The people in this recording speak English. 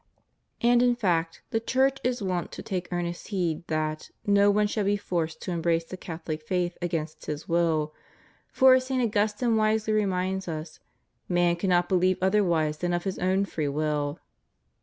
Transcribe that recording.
And in fact the Church is wont to take earnest heed that no one shall be forced to embrace the Catholic faith against his will, for, as St. Augustine wisely reminds us, "Man cannot believe other wise than of his own free will."